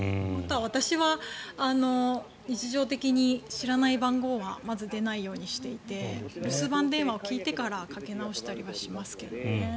私は日常的に知らない番号はまず、出ないようにしていて留守番電話を聞いてからかけ直したりはしますけどね。